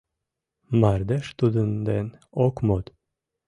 Мардеж тудын ден ок мод.